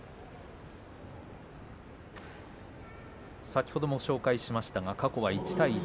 先ほどもご紹介しましたが過去は１対１。